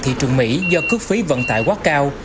thị trường mỹ do cước phí vận tải quá cao